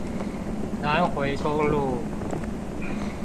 南迴公路